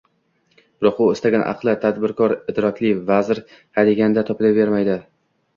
Biroq u istagan aqlli, tadbirkor, idrokli vazir hadeganda topilavermadi